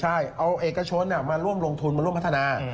ใช่เอาเอกชนมาร่วมลงทุนมาร่วมพัฒนา